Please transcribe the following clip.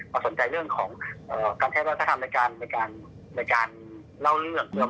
มาสนใจของการใช้วัฒนธรรมในการเล่าเรื่อง